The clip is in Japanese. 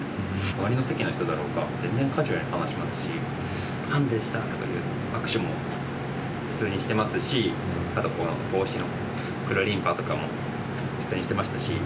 周りの席の人だろうが、全然カジュアルに話しますし、ファンでしたっていう握手も普通にしてますし、あと帽子の、クルリンパとかも普通にしてましたし。